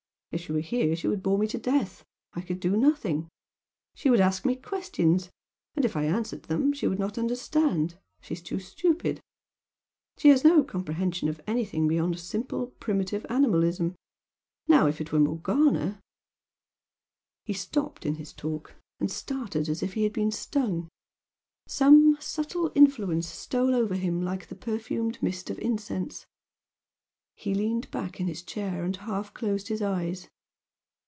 If she were here she would bore me to death. I could do nothing. She would ask me questions and if I answered them she would not understand, she is too stupid. She has no comprehension of any thing beyond simple primitive animalism. Now if it were Morgana " He stopped in his talk, and started as if he had been stung. Some subtle influence stole over him like the perfumed mist of incense he leaned back in his chair and half closed his eyes.